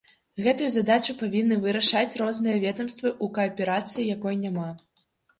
Гэтую задачу павінны вырашаць розныя ведамствы ў кааперацыі, якой няма.